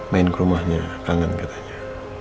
main ke rumahnya kangen katanya